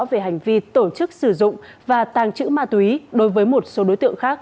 về hành vi tổ chức sử dụng và tàng trữ ma túy đối với một số đối tượng khác